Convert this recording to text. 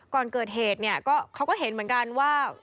ก่อนเกิดเหตุเนี่ยเขาก็เห็นเหมือนกันว่า